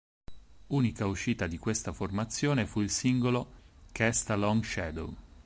Unica uscita di questa formazione fu il singolo "Cast a Long Shadow".